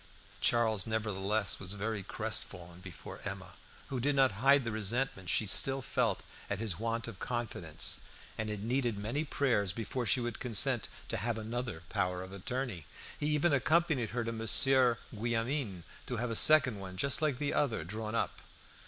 Charles nevertheless was very crestfallen before Emma, who did not hide the resentment she still felt at his want of confidence, and it needed many prayers before she would consent to have another power of attorney. He even accompanied her to Monsieur Guillaumin to have a second one, just like the other, drawn up.